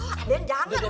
ah aden jangan